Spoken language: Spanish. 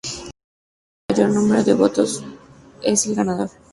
El jugador con mayor número de votos es el ganador.